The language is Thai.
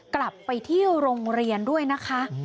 กลับไปที่โรงเรียนด้วยนะคะ